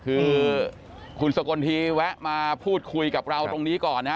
คือคุณสกลทีแวะมาพูดคุยกับเราตรงนี้ก่อนนะฮะ